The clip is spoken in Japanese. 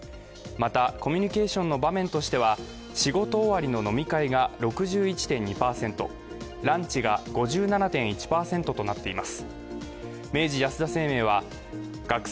また、コミュニケーションの場面としては仕事終わりの飲み会が６１．２％、ランチが５７．１％となっています。